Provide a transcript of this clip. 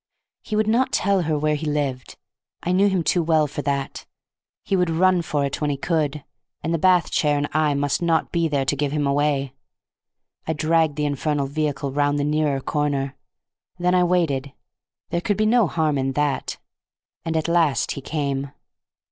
He would not tell her where he lived. I knew him too well for that. He would run for it when he could, and the bath chair and I must not be there to give him away. I dragged the infernal vehicle round the nearer corner. Then I waited—there could be no harm in that—and at last he came.